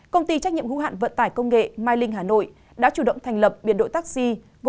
công ty trách nhiệm hữu hạn vận tải công nghệ mylink hà nội đã chủ động thành lập biển đội taxi